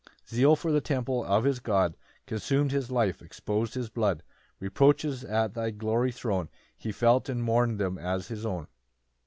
] 4 [Zeal for the temple of his God Consum'd his life, expos'd his blood: Reproaches at thy glory thrown He felt, and mourn'd them as his own.